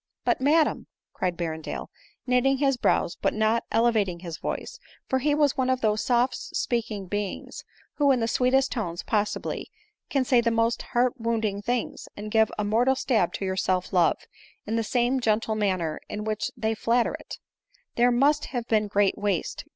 *" But, madam," cried Berrendale, knitting his brows, but not elevating his voice, for he was one of those soft speaking beings, who in the sweetest tones possible can say the most heart wounding things, and give a mortal stab to your self love in the same gentle manner in which they flatter it :—" there must have been great waste, 216 ADELINE MOWBRAY.